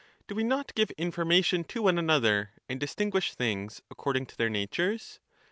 Do we not give information to one another, and distinguish things according to their natures?